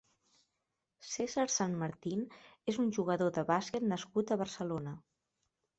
César Sanmartín és un jugador de bàsquet nascut a Barcelona.